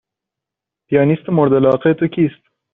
پیانیست مورد علاقه تو کیست؟